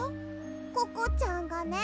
ココちゃんがね